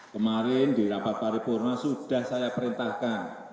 kemarin di rapat paripurna sudah saya perintahkan